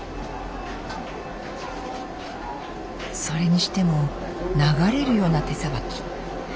それにしても流れるような手さばき。